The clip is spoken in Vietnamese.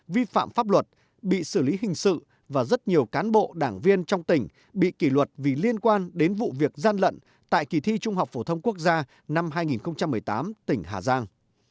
vi phạm pháp luật bị xử lý hình sự và rất nhiều cán bộ đảng viên trong tỉnh bị kỷ luật vì liên quan đến vụ việc gian lận tại kỳ thi trung học phổ thông quốc gia năm hai nghìn một mươi tám tỉnh hà giang